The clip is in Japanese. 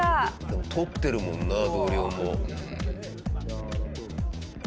撮ってるもんな同僚も。